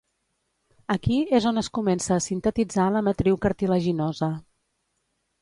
Aquí és on es comença a sintetitzar la matriu cartilaginosa.